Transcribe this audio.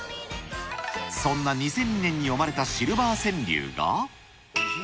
そんな２００２年に詠まれたシルバー川柳が。